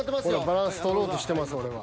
［バランス取ろうとしてます俺は］